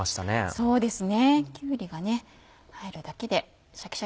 そうですね